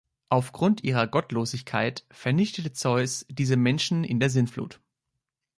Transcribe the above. Aufgrund ihrer Gottlosigkeit vernichtete Zeus diese Menschen in der Sintflut.